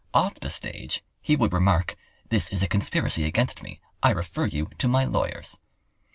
Off the stage he would remark: "This is a conspiracy against me—I refer you to my lawyers.